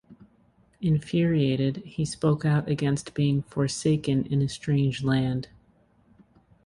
Infuriated, he spoke out against being "forsaken" in a "strange land".